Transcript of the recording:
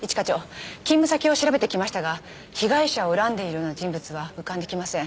勤務先を調べてきましたが被害者を恨んでいるような人物は浮かんできません。